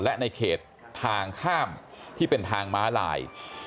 และในเขตทางข้ามที่เป็นทางม้าลาย